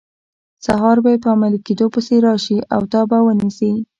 سهار به یې په عملي کیدو پسې راشي او تا به ونیسي.